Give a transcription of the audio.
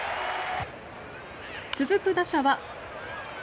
続く打者は。